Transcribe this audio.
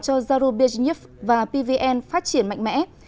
cho zarubizhnev và pvn phát triển mạnh mẽ